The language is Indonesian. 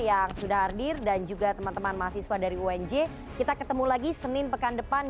yang sudah hadir dan juga teman teman mahasiswa dari unj kita ketemu lagi senin pekan depan